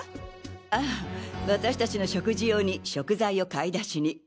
ああ私達の食事用に食材を買い出しに。